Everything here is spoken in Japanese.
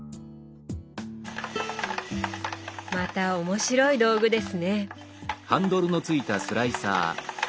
また面白い道具ですね。